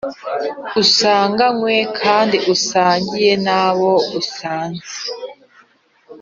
Usanganywe kandi usangiye n'abo usanze